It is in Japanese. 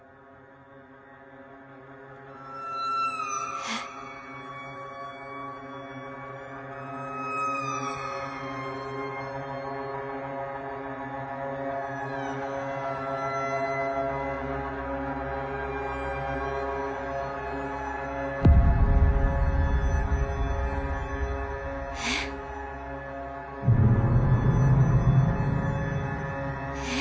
えっ？えっ？えっ！？